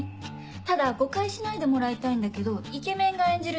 ただ誤解しないでもらいたいんだけどイケメンが演じる